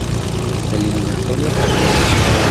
Eliminatoria Caribeña